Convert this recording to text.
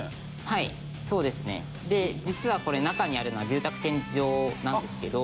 実はこれ中にあるのは住宅展示場なんですけど。